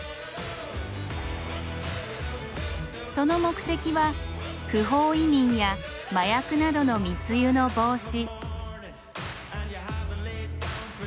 その目的は不法移民や麻薬などの密輸の防止。